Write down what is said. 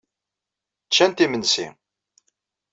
Ččant imensi.